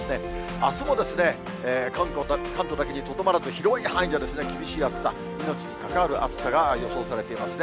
あすもですね、関東だけにとどまらず、広い範囲で厳しい暑さ、命に関わる暑さが予想されていますね。